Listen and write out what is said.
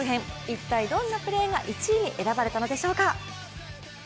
一体、どんなプレーが１位に選ばれたのでしょうか？